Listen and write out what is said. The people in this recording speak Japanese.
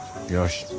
よし。